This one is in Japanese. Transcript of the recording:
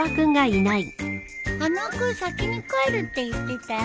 花輪君先に帰るって言ってたよ。